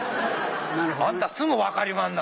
あんたすぐ分かりまんな。